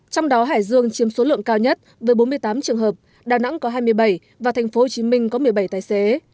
trong đó hải dương chiếm số lượng cao nhất với bốn mươi tám trường hợp đà nẵng có hai mươi bảy và tp hcm có một mươi bảy tài xế